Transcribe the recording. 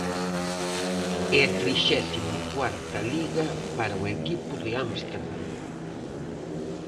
E a trixésimo cuarta Liga para o equipo de Ámsterdam.